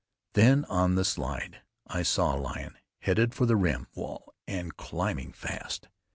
Then on the slide I saw a lion headed for the rim wall and climbing fast.